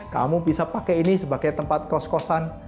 kamu bisa pakai ini sebagai tempat kos kosan